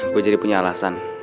gue jadi punya alasan